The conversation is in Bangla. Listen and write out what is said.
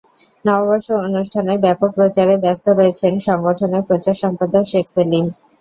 নববর্ষ অনুষ্ঠানের ব্যাপক প্রচারে ব্যস্ত রয়েছেন সংগঠনের প্রচার সম্পাদক শেখ সেলিম।